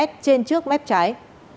trên trước mép trái